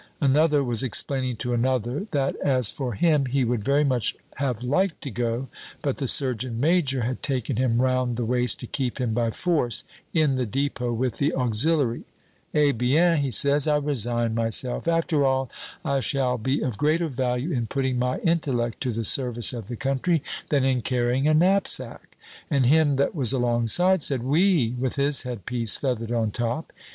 Another was explaining to another that, as for him, he would very much have liked to go, but the surgeon major had taken him round the waist to keep him by force in the depot with the auxiliary. 'Eh bien,' he says, 'I resigned myself. After all, I shall be of greater value in putting my intellect to the service of the country than in carrying a knapsack.' And him that was alongside said, 'Oui,' with his headpiece feathered on top.